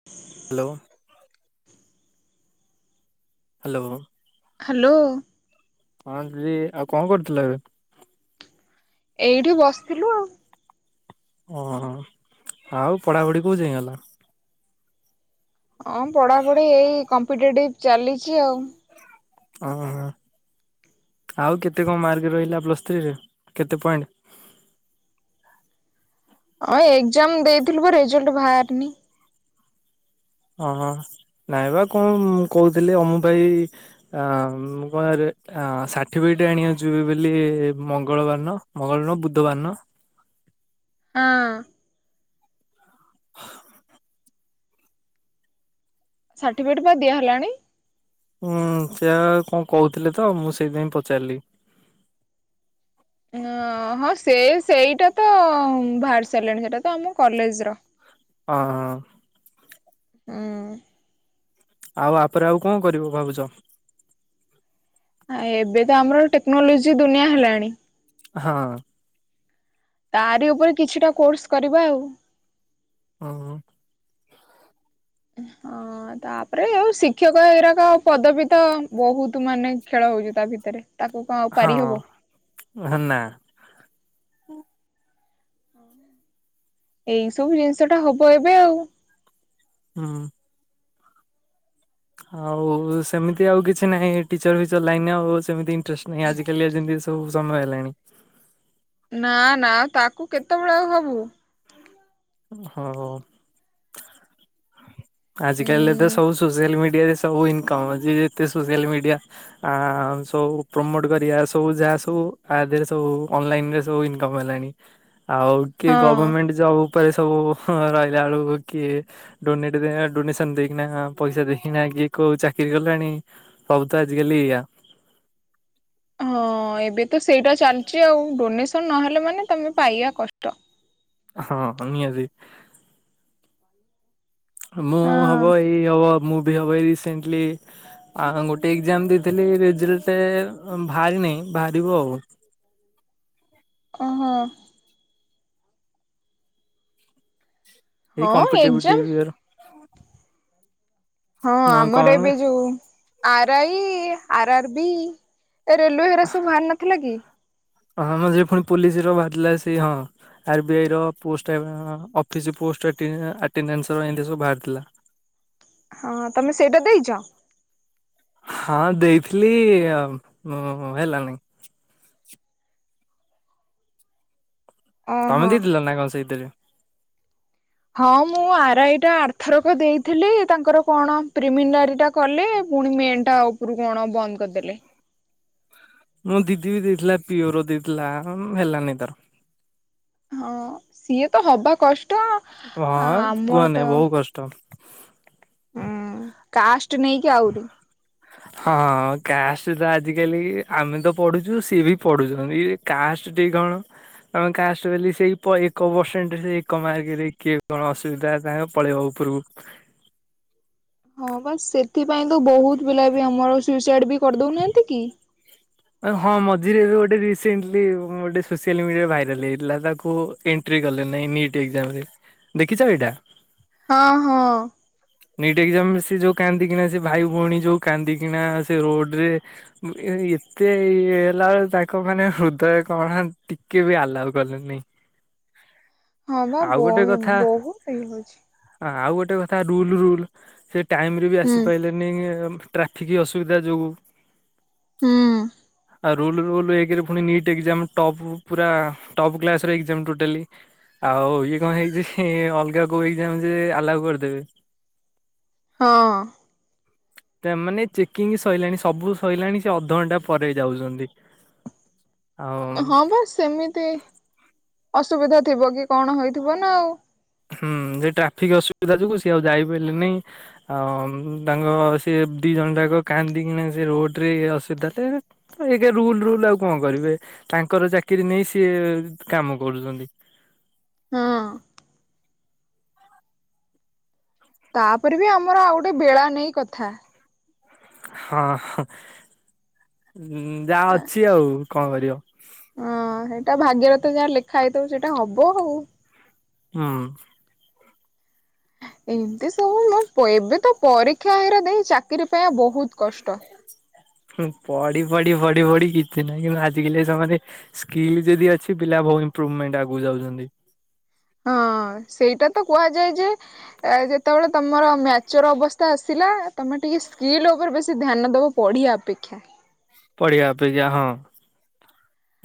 [inaudible] Hello hello hello ହଁ ଦିଦି ଆଉ କଣ କରୁଥିଲ ଏବେ। ଏଇଠି ବସିଥିଲୁ ଆଉ ଓହୋ ଆଉ ପଢାପଢି କୋଉ ଯାଏଁ ଗଲା। ହଁ ପଢାପଢି ଏଇ କମ୍ପଟେଟିଭ ଚାଲିଛି ଆଉ ହଁ ହଁ ଆଉ କେତେ କଣ ମାର୍କ ରହିଲା ପ୍ଲସ୍ ଥ୍ରୀରେ କେତେ ପଏଣ୍ଟ ହଁ ଏକ୍ଜାମ ଦେଇଥିଲୁ ବା ରେଜଲ୍ଟ ବାହାରିନି ହଁ ହଁ ନାଇଁବା କଣ କହୁଥିଲି ଓମ ଭାଇ ଅ ମୁଁ କଣରେ ଷାଠିପିକେଟ ଆଣିବାକୁ ଯିବି ବୋଲି ମଙ୍ଗଳବାର ଦିନ ମଙ୍ଗଳ ନୁହଁ ବୁଧବାର ନ ହଁ। [inaudible] ସାର୍ଟିଫିକେଟ ପା ଦିଆ ହେଲାଣି। ହୁଁ ସେଇଆ ପା କଣ କହୁଥିଲେ ତ ମୁଁ ସେଇଥିପାଇଁ ପଚାରିଲି ଅ ହଁ ସେ ସେଇଟା ତ ବାହାରି ସାରିଲାଣି ସେଇଟା ତ ଆମ କଲେଜର ହଁ ହଁ ହଁ। ହୁଁ। ଆଉ ୟାପରେ ଆଉ କଣ କରିବ ଭାବୁଛ? ଆ ଏବେ ତ ଆମର ଟେକ୍ନୋଲୋଜି ଦୁନିଆ ହେଲାଣି ହଁ। ତାରି ଉପରେ କିଛିଟା କୋର୍ସ କରିବା ଆଉ ହଁ। ହଁ। ତାପରେ ଆଉ ଶିକ୍ଷକ ଏଇଗୁଡାକ ପଦବୀ ତ ବହୁତ ମାନେ ଖେଳ ହଉଛି ତା ଭିତରେ। ତାକୁ କଣ ଆଉ ପାରି ହଁ ହବ ହେ ନା ଏଇ ସବୁ ଜିନିଷଟା ହବ ଏବେ ଆଉ ହଁ। ଆଉ ସେମିତି ଆଉ କିଛି ନାହିଁ ଟିଚର ଫିଚର ଲାଇନ ଆଉ ସେମିତି ଇଣ୍ଟରେଷ୍ଟ ନାହିଁ ଆଜି କାଲିଆ ଯେମିତି ସବୁ ସମୟ ହେଲାଣି ନା ନା ତାକୁ କେତେବେଳେ ହବୁ? ହଉ ଆଜିକାଲି ଏତେ ଉଁ ସବୁ ସୋସିଆଲ ମିଡିଆରେ ସବୁ ଇନକମ୍। ଯିଏ ଯେତେ ସୋସିଆଲ ମିଡିଆ ଆ ସବୁ ପ୍ରମୋଟ କରିବା ସବୁ ଯାହା ସବୁ ଆ ଦେହରେ ସବୁ ଅନଲାଇନରେ ସବୁ ଇନକମ ହେଲାଣି ଆଉ କିଏ ହଁ ଗଭମେଣ୍ଟ ଜବ ଉପରେ ସବୁ ରହିଲା ବେଳକୁ କିଏ ଡୋନଟ [unintelligible] ଡୋନେସନ ଦେଇକିନା ପଇସା ଦେଇକିନା କିଏ କୋଉ ଚାକିରି କଲାଣି ସବୁ ତ ଆଜିକାଲି ଏଇଆ ହଁ ଏବେ ତ ସେଇଟା ଚାଲିଛି ଆଉ ଡୋନେସନ ନହେଲେ ମାନେ ତମେ ପାଇବା କଷ୍ଟ। ହଁ ନିହାତି ମୁଁ ହଁ ହବ ଏଇ ହବ ମୁଁ ବି ହବ ଏଇ ରିସେଣ୍ଟଲି ଆ ଗୋଟେ ଏକ୍ଜାମ ଦେଇଥିଲି ରେଜଲ୍ଟ ବାହାରି ନାହିଁ ବାହାରିବ ଆଉ ଓହୋ। ଏଇ ହଁ ଏକ୍ଜାମ କମ୍ପିଟିଭିଟିୟର ହଁ ଆମର ଏବେ ଯୋଉ R I R R B A railway ସବୁ ବାହାର ନଥିଲା କି? ହଁ ଆମର ଯ ପୁଣି ପୋଲିସ ର ବାହାରିଲା ସେ ହଁ ଆର୍ ବି ଆଇର ପୋଷ୍ଟ ଅଫିସ୍ ପୋଷ୍ଟ ଆଟେଣ୍ଡାନ୍ସର ଏମିତି ସବୁ ବାହାରିଥିଲା। [inaudible] ହଁ ତମେ ସେଇଟା ଦେଇଛ? ହଁ ଦେଇଥିଲି ହେଲାନି। ତମେ ଓହୋ ଦେଇଥିଲ ନା କଣ ସେଇଥିରେ? ହଁ ମୁଁ ଆର ଆଇ ଟା ଆର୍ଥରକ ଦେଇଥିଲି ତାଙ୍କର କଣ ପ୍ରିମନାରୀ ଟା। କଲେ ପୁଣି ମେନ୍ ଟା ଉପରୁ କଣ ବନ୍ଦ କରିଦେଲେ। ମୋ ଦିଦି ବି ଦେଇଥିଲା ପିଓର ଦେଇଥିଲା ହଁ ହେଲାନି ତାର ହଁ ସିଏ ତ ହବା କଷ୍ଟ। ହଁ ଆମର କୁହନି ତ ବହୁତ କଷ୍ଟ। ହୁଁ କାଷ୍ଟ ନେଇକି ଆହୁରି [inaudible] ହଁ କାଷ୍ଟ ତ ଆଜିକାଲି ଆମେ ତ ପଢୁଛୁ ସିଏ ବି ପଢୁଛନ୍ତି କାଷ୍ଟ ଟିକେ କଣ- ଆମେ କାଷ୍ଟ କ ସେଇ ଏକ ପରସେଣ୍ଟରେ ସେ ଏକ ମାର୍କରେ କିଏ କଣ ଅସୁବିଧା ତାଙ୍କ ପଳେଇବା ହ ଉପରୁ। ହଁ ବାସ ସେଥିପାଇଁ ତ ବହୁତ ପିଲା ବି ଆମର ସୁଇସାଇଡ ବି କରିଦଉନାହାନ୍ତି କି। ଆ ହଁ ମଝିରେ ଗୋଟେ ରିସେଣ୍ଟଲି ଗୋଟେ ସୋସିଆଲ ମିଡିଆରେ ଭାଇରାଲ ହେଇଥିଲା ତାକୁ। ଏଣ୍ଟ୍ରି କଲେ ନାଇଁ ନିଟ୍ ଏକ୍ଜାମ ରେ ଦେଖିଛ ଏଇଟା। ହଁ ହଁ। ନିଟ୍ ଏଜାମରେ ସେ ଯୋଉ କାନ୍ଦି କିିନା ସେ ଭାଇ ଭଉଣୀ ଯୋଉ କାନ୍ଦିନା ସେ ରୋଡ ରେ। ଏତେ ଇଏ ହେଲା ବଳେ ତାଙ୍କ ମାନେ ହୃଦୟ କଣନ୍ତି। କେବେ ଆଲା କଲେ ନାଇଁ। ହଁ ବା ବ ବହୁତ ଇ ହଉଛି। ହ ଆଉ ଗୋଟେ କଥା ରୁଲ ରୁଲ ସେ ଟାଇମ ରେ ବି ହୁଁ ଆସିପାରଲେ। ନି ଟ୍ରାଫିକ୍ ଅସୁବିଧା ଯୋଗୁଁ। ହୁଁ। ଆଉ ରଲୁଟ୍୍ ପୁର ଟପ୍ କ୍ସ ଟୋଟାଲି, ଆଉ ଇଏ କଣ ହେଇଛି ଅଲଗା କୋ ହେଇ ଆମ ଯେ ଆଲାଉ କରିଦେବେ। ହଁ। ମାନେ ଚେକିଂ ସରିଲାଣି ସବୁ ସରିଲାଣି ସେ ଅଧଘଣ୍ଟା ପରେ ଯାଉଛନ୍ତି। ଆଉ ହଁ ବାସ ସେମିତି ଅସୁବିଧା ଥିବ କି କଣ ହେଇଥିବ ନା ଆଉ। ହୁଁ ସେ ଟ୍ରାଫିକ୍ ଅସୁବିଧା ଯୋଗୁ ସିଏ ଆଉ ଯାଇପାରିଲେ ନାଇଁ। ଆଉ ତାଙ୍କ ସେ ଦି ଜଣ ଯାକ କାନ୍ଦନ୍ତି କିନା ସେ ରୋଡ ରେ ଅସୁବିଧା। ଏକା ରୁଲ ରୁଲ ଆଉ କଣ କରିବେ ତାଙ୍କର ଚାକିରି ନେଇ ସିଏ କାମ କରୁଛନ୍ତି। ହଁ। ତାପରେ ବି ଆମର ଆଉ ଗୋଟେ ବେଳା ନେଇ କଥା। ହଁ ଯାହା ଅଛି ଆଉ କଣ କରିବ। ହଁ ସେଇଟା ଭାଗ୍ୟରେଥ ଯାହା ଲେଖା ହେଇଥିବ ସେଇଟା ହବ ହଉ। ହଁ। ଏମତି ସବୁ ଏବେ ତ ପରୀକ୍ଷା ହେରା ଦେଇ ଚାକିରରି ପାଇଁ ବହୁତ କଷ୍ଟ। ପଢି ପଢି ପଢି ପଢି କିଛି ନାହିଁ କିୁ ଆଜିକାେ ସେମାନେ ସ୍କିଲ୍ ଯଦି ଅଛି ପିଲା ବହୁ ଇମ୍ପ୍ରୁଭମେଣ୍ଟ ଆଗକୁ ଯାଉଛନ୍ତି। ହଁ ସେଇଟା ତ କୁହାଯାଏ ଯେ ଏ ଯେତେବେଳେ ତମର ମ୍ୟାଚର ଅବସ୍ଥା ଆସିଲା ତମେ ଟିକେ ସ୍କିଲ୍ ଉପରେ ବେଶୀ ଧ୍ୟାନ ଦବ। ପଢ଼ିବା ଅପେକ୍ଷା ପଢିବା ଅପେକ୍ଷା ହଁ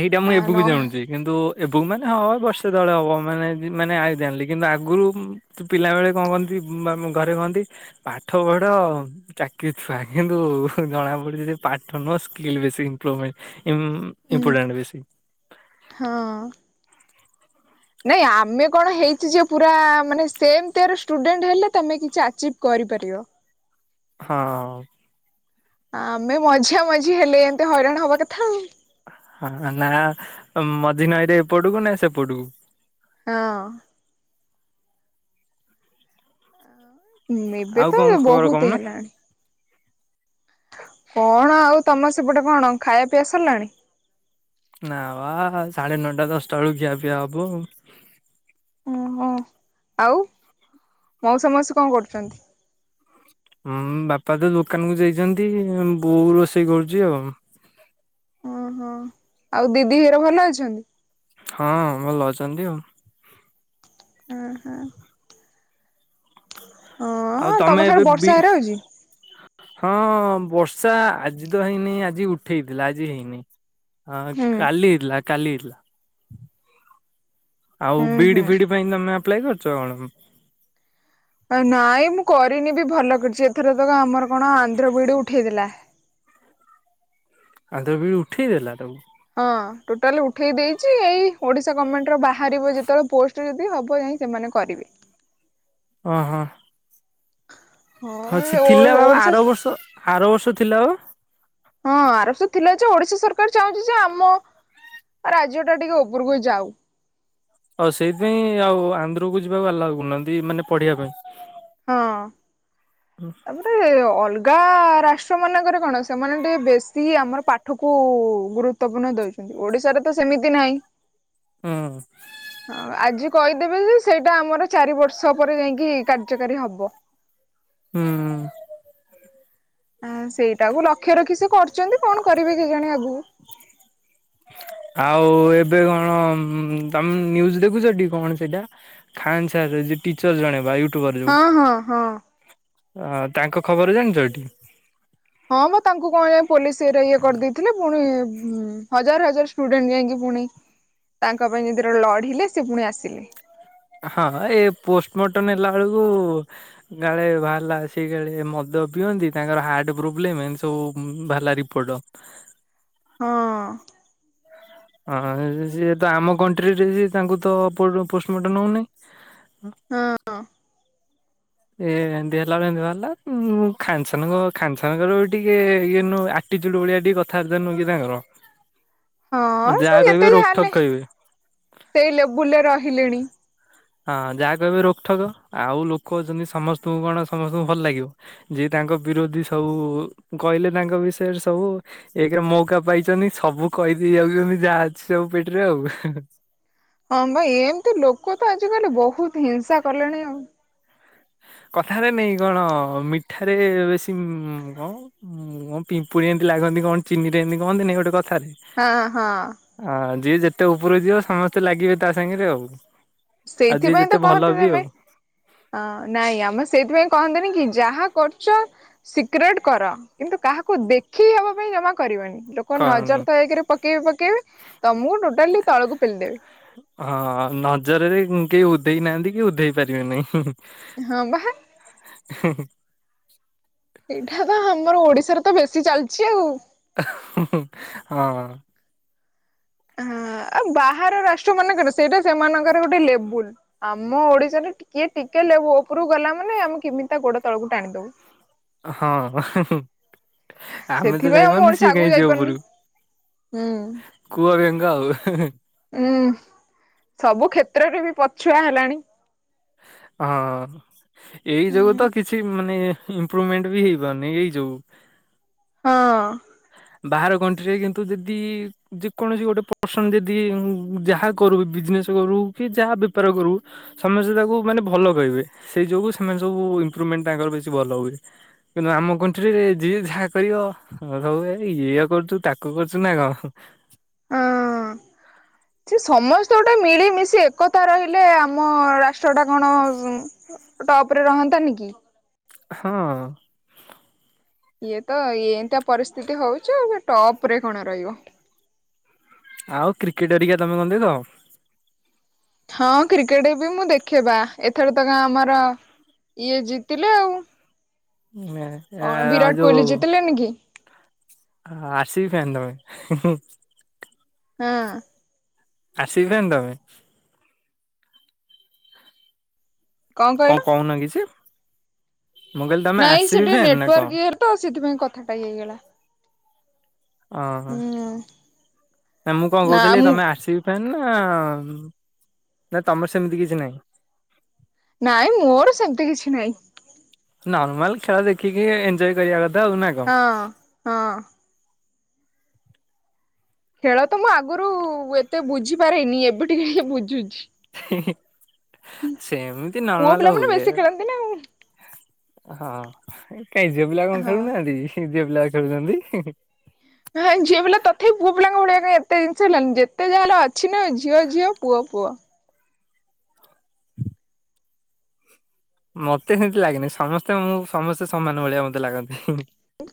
ଏଇଟା ମୁଁ ଆ ଏବେବକୁ ନହେ ଜାୁଛି କିନ୍ତୁ ଏବେୁକୁ ମାନେ ହବ ବର୍ଷେ ତଳେ ହବ ମାନେ ମାନେ ଆଇ ଜାଣିଲି କିନ୍ତୁ ଆଗରୁ ତ ପିଲା ବେଳେ କଣ କହନ୍ତି ଘରେ କହନ୍ତି ପାଠ ପଢ ଚାକିରି ଥିବା କିନ୍ତୁ ଜଣା ପଡୁଛି ଯେ ପାଠ ନୁହ ସ୍କିଲ ବେଶୀ ଇପ୍ରଭମେଣ୍ଟ ହୁଁ ମ୍ପୋଟ ବସି ହଁ ନାଇଁ ଆମେ କଣ ହେଇଛି ଯେ ପୁରା ମାନେ ସେମ ଷ୍ଟୁଡେଣ୍ଟ ହେଲେ ତମେ କିଛି ଆଚିଭ କରିପାରିବ ହଁ ଆମେ ମଝିା ମଝି ହେଲେ ଏମତି ହଇରାଣ ହବା କଥା ଆଉ ହଁ ନା ମଝି ନଈରେ ଏପଟକୁ ନା ସେପଟକୁ ହଁ ଁ ଏବେ ଆଉ ତ କଣ ଖବର ବହୁତ କହୁନ ହେଲାଣି କଣ ଆଉ ତମର ସେପଟେ କଣ ଖାଇବା ପିଇବା ସରିଲାଣି ନା ବା ସାଢେ ନଅଟା ଦଶଟା ବେଳକୁ ଖିଆ ପିଇଆ ହବୁ ଓ ହ ଆଉ ମଉ ସମସ୍ତେ କଣ କରୁଛନ୍ତି ହଁ ବାପା ତ ଦୋକାନ କୁ ଯାଇଛନ୍ତି ବୋଉ ରୋଷେଇ କରୁଛି ଆଉ ଓହୋ ଆଉ ଦିଦି ହର ଭଲ ଅଛନ୍ତି। ହଁ ଭଲ ଅଛନ୍ତି ଆଉ। ହଁ ହୁଁ। ଓହୋ ଆଉ ହଁ ତମ ତମେ ସିଆଡେ ଏବେ ବି ବର୍ଷା ହେରା ହଉଛି? ହଁ ବର୍ଷା ଆଜି ତ ହେଇନି ଆଜି ଉଠେଇଥିଲା ଆଜି ହେଇନି। ହଁ ହୁଁ ଖାଲି ଲା ଖାଲି ଲା ଆଉ ହୁଁ ବିଡି ହୁଁ। ଫିଡି ପାଇଁ ତମେ ଆପ୍ଲାଏ କରୁଛ କଣ? ନାଇଁ ମୁଁ କରିନି ବି ଭଲ କରିଛି ଏଥର ତ ଆମର କଣ ଆନ୍ଧ୍ର ବିିଡି ଉଠେଇଥିଲା। ଆଉ ତ ବିଳି ଉଠେଇ ଦେେଲା ତମକୁ ହଁ ଟୋଟାଲି ଉଠେଇ ଦେଇଛି ଏଇ ଓଡିଶା ଗଭର୍ଣ୍ଣମେଣ୍ଟ ର ବାହାରିବ ଯେତେବେଳେ ପୋଷ୍ଟ ଯଦି ହବ ଯାଇଁ ସେମାନେ କରିବେ। ଓଁ ହଁ। ହଉଛି ହଁ ଓ ଥିଲା ବାବା ଓଡିଶା ଆର ବର୍ଷ ଆର ବର୍ଷ ଥିଲା ବାଉ ହଁ ଆରବ ସ ଥିଲା ଯେ ଓଡିଶା ସରକାର ଚାହୁଁଛି ଯେ ଆମ ଆଉ ରାଜ୍ୟ ଟା ଟିକେ ଉପରକୁ ଯାଉ ଆଉ ସେଇଥିପାଇଁ ଆଉ ଆନ୍ଧ୍ର କୁ ଯିବାକୁ ଆଲଗ କରୁନାହାନ୍ତି ମାନେ ପଢିବା ପାଇଁ ହଁ। ହ। ତାପଟେ ଅଲଗା ରାଷ୍ଟ୍ର ମାନଙ୍କରେ କଣ ସେମାନେ ଟିକେ ବେଶୀ ଆମର ପା ଠକୁ ଗୁରୁତ୍ୱପୂର୍ଣ୍ଣ ଦେଉଛନ୍ତି ଓଡିଶାରେ ତ ସେମିତି ନାହିଁ। ହଁ। ହଁ ଆଜି କହିଦେବେ ଯେ ସେଇଟା ଆମର ଚାରି ବର୍ଷ ପରେ ଯାଇକି କାର୍ଯ୍ୟକାରୀ ହବ। ହୁଁ। ଆ ସେଇଟାକୁ ଲକ୍ଷ୍ୟ ରଖି ସେ କରୁଛନ୍ତି କଣ କରିବି କେ ଜାଣି ଆଗକୁ ଆଉ ଏବେ କଣ ତମେ ନିୁଜ ଦେଖୁଛ କଣ ସେଇଟା ଖାନ୍ ସାର୍ ଖନ୍ଟିଚର ଜଣେ ବା ଅଟୋବର ଯ ହଁ ହଁ ହଁ। ତାଙ୍କ ଖବର ଜାଣିଛ ଏଠି ହଁ ମୁଁ ତାଙ୍କୁ କଣ ଯ ପୋଲିସ ଇରେ ଇଏ କରିଦେଇଥିଲେ ପୁଣି ହଜାର ହଜାର ଷ୍ଟୁଡେଣ୍ଟ ଯାଇକି ପୁଣି ତାଙ୍କ ପାଇଁ ଯେଦେର ଲଢିଲେ ସେ ପୁଣି ଆସିଲେ। ହଁ ଏ ପୋଷ୍ଟ ମର୍ଟମ ହେଲା ବେଳକୁ କାଳେ ଭଲା ସେ କାଳେ ମଦ ପିଅନ୍ତି ତାଙ୍କର ହାର୍ଟ ପ୍ରୋବ୍ଲେମ ସବୁ ପଡ଼। ହଁ। ହଁ ସିଏ ତ ଆମ କଣ୍ଟ୍ରିରେ ସଏ ତାଙ୍କୁ ତ ପୋଷ୍ଟମର୍ଟମ ନଉନାହିଁ। ହଁ। ଏ ଏମିତି ହେଲା ବେ ଏ ବାହାରିଲା ମୁଁ ଖାନସନ ଖାନସନଙ୍କର ଟିକେ ଇଏ ଦୁର୍ବଳିଆ ଭଳିଆ ଟିକେ କଥାବାର୍ତ୍ତା ନୁହ କି ତାଙ୍କର ହଁ ସେ ଯାହା କହିବେ ଯେତେ ଯା ରୋକଠୋକ ହେଲେ କହିବେ। ସେଇ ଲେବୁଲରେ ରହିଲେଣି। ହଁ ଯାହା କହିବେ ରୋକଠକ ଆଉ ଲୋକ ଅଛନ୍ତି ସମସ୍ତଙ୍କୁ କଣ ସମସ୍ତଙ୍କୁ ଭଲ ଲାଗିବ। ଯିଏ ତାଙ୍କ ବିରୋଧୀ ସବୁ କହିଲେ ତାଙ୍କ ବିଷୟରେ ସବୁ ଏକରେ ମୌକା ପାଇଛନ୍ତି ସବୁ କହିଦେଇ ଯାଉଛନ୍ତି ଯାହା ଅଛି ସବୁ ପେଟରେ ଆଉ ହଁ ଭାଇ ଏମତି ଲୋକ ତ ଆଜିକାଲି ବହୁତ ହିଂସା କଲେଣି ଆଉ କଥାରେ ନେଇାଇ କଣ ମିଠାରେ ବେଶୀ କଣ ହୁ କଣ ପିମ୍ପୁୀଡ଼ି ଏମିତି ଲାଗନ୍ତି କଣ ଚିନି ଏମିତି କହନ୍ତି ନାଇଁ ଗୋଟେ କଥାରେ ହଁ ହଁ। ହଁ ଯିଏ ଯେତେ ଉପରକୁ ଯିବ ସମସ୍ତେ ଲାଗିବେ ତା ସାଙ୍ଗେରେ ଆଉ। ଆଉ ଯିଏ ସେଇଥିପାଇଁ ଯେତେ ତ ଭଲ କହନ୍ତି ବି ତମେ ଆଉ ହଁ ନାଇଁ ଆମର ସେଇଥିପାଇଁ କହନ୍ତନି କି ଯାହା କରୁଛ ସିକ୍ରେଟ କର କିନ୍ତୁ କାହାକୁ ଦେଖି ହବା ପାଇଁ ଜମା କରିବନି। କଣ ନଜର ତ ଏକ ରେ ପକେଇବେ ପକେଇବେ ତ ମୁଁ ଟୋଟାଲି ତଳକୁ ପେଲି ଦେବି। ହଁ ନଜରରେ କେହି ଉଧେଇ ନାହାନ୍ତି କି ଉଧେଇ ପାରିବେନାହିଁ। ହଁ ବା। ହିଁ ହିଁ। ଏଇଟା ବା ଆମର ଓଡିଶାରେ ତ ବେଶୀ ଚାଲିଛି ଆଉ। ହଁ। ହ ବାହାର ରାଷ୍ଟ୍ର ମାନେ କଣ ସେଇଟା ସେମାନଙ୍କର ଗୋଟେ ଲେବୁଲୁ। ଆମ ଓଡିଶାରେ ଟିକେ ଟିକେ ଲେ ଉପରକୁ ଗଲା ମାନେ ଆମେ କେମିତି ତା ଗୋଡ ତଳକୁ ଟାଣିଦବୁ। ହଁ। ଆମେ ତ ସେଥିପାଇଁ ଆଉ ମୁଁ ଯାଇପାରୁନେ ଓଡିଶା ସିଏ ଆଗକୁ କାଇଁ ଯିବ ଯାଇପାରୁନି। ଉପରୁକୁ। କୁଅ ବେଙ୍ଗ ଆଉ ଉୁଁ ସବୁ କ୍ଷେତ୍ରରେ ବି ପଛୁଆ ହେଲାଣି। ହଁ ଏଇ ଯୋଗୁ ହଁ ତ କିଛି ମାନେ ଇପ୍ରୁଭମେଣ୍ଟ ବି ହେଇପାରନି ଏଇ ଯୋଗୁଁ। ହଁ। ବାହାର କଣ୍ଟ୍ରିରେ କିନ୍ତୁ ଯଦି ଯେ କୌଣସି ଗୋଟେ ପର୍ସନ ଯଦି ଯାହା କରୁ ବିଜନେସ କରୁ କି ଯାହା ବେପାର କରୁ ସମସ୍ତେ ତାକୁ ମାନେ ଭଲ କହିବେ ସେଇ ଯୋଗୁ ସେମାନେ ସବୁ ଇପ୍ରୁଭମେଣ୍ଟ ତାଙ୍କର ବେଶୀ ଭଲ ହୁଏ। କିନ୍ତୁ ଆମ କଣ୍ଟ୍ରିରେ ଯିଏ ଯାହା କରିବ ହଁ ସବୁ ଏ ଇଏ କରୁଛୁ ତାକୁ କରୁଛୁ ନା କଣ? ସେ ସମସ୍ତେ ଗୋଟେ ମିଳିମିଶି ଏକତା ରହିଲେ ଆମ ରାଷ୍ଟ୍ର ଟା କଣ ଟପ ରେ ରହନ୍ତାନି କି? ହଁ। ଇଏ ତ ଏତିଆ ପରିସ୍ଥିତି ହଉଚି ଟପ ରେ କଣ ରହିବ? ଆଉ କ୍ରିକେଟ ହେରିକା ତମେ କଣ ଦେଇଦେବ। ହଁ କ୍ରିକେଟ ବି ମୁଁ ଦେଖେଇବା ଏଥର ତ ଆମର ଇଏ ଜିତିଲେ ଆଉ ଏ ଏ, କଣ ବିରାଟ କୋହଲି ଜିତିଲେନି କି? ହ ଆର ସି ବି ଫ୍ୟାନ୍ ତମେ? ହଁ। ଆରସିବି ଫ୍ୟାନ ତମେ? କଣ କହୁନ କିଛି? ମୁଁ କହିଲି ତମେ ନାଇଁ ସେ ଆରସିବି ଟିକେ ଫ୍ୟାନ୍ ନା କଣ? ନେଟୱାର୍କ ଇୟର ତ ସେଥିପାଇଁ କଥାଟା ଇଏ ହେଇଗଲା। ଓହୋ ହୁଁ ମୁଁ କଣ ନା କହୁଥିଲି ମୁଁ ତମେ ଆର ସି ବି ଫ୍ୟାନା ନା ତମର ସେମିତି କିଛି ନାହିଁ। ନାଇଁ ମୋର ସେମତି କିଛି ନାଇଁ। ନର୍ମାଲ ଖେଳ ଦେଖିକି ଏଞ୍ଜୟ କରିବା କଥା ନା କଣ? ହଁ ହଁ। ଖେଳ ତ ମୁଁ ଆଗରୁ ଏତେ ବୁଝିପାରେନି ଏବେ ଟିକେ ବୁଝୁଛି। ହିଁ ହିଁ ସେମିତି ପୁଅ ନର୍ମାଲ ପିଲାମାନେ ହୁଏ। ବେଶୀ ଖେଳନ୍ତି ନା ଆଉ। ହଁ କାହିଁ ଝିଅ ପିଲା କଣ ହଁ ଖେଳୁନାହାନ୍ତି ଝିଅ ପିଲା ଖେଳୁଛନ୍ତି। ହାଇ ଝିଅ ପିଲା ତଥାପି ପୁଅ ପିଲାଙ୍କ ଭଳିଆ କ ପାଇଁ ଏତେ ଜିନିଷ ହେଲାନି ଯେତେ ଯାହା ହେଲେ ଅଛି ନା ଝିଅ ଝିଅ ପୁଅ ପୁଅ। ମତେ ସେମତି ଲାଗେନି ସମସ୍ତେ ସମସ୍ତେ ସମାନ ଭଳିଆ ମୋତେ ଲାଗନ୍ତି।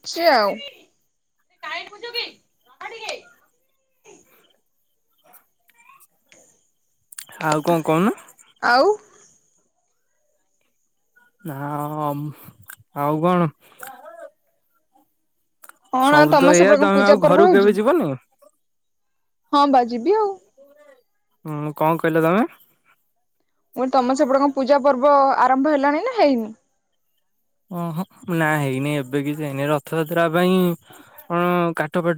ଚି ଆଉ ଆଉ କଣ କହୁନ? ଆଉ ନା ଆ ଆଉ କଣ? କଣ ଆଉ ସବୁ ତମ ତ ଏଇଆ ସେପଟେ କଣ ତମେ ପୂଜା ଆଉ ପର୍ବ ଘରକୁ ହଉଛି? କେବେ ଯିବନି? ହଁ ବା ଜିବି ଆଉ ହୁଁଁ କଣ କହିଲ ତମେ? ମୁଁ ତମ ସେପଟେ କଣ ପୂଜା ପର୍ବ ଆରମ୍ଭ ହେଲାଣି ନା ହେଇନି? ଉଁହୁଁ ନା ହେଇନି ଏବେ କିଛି ହେଇନି ରଥଯାତ୍ରା ପାଇଁ କଣ କାଠ ପାଠ